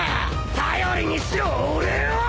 頼りにしろ俺を！